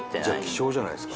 希少じゃないですか。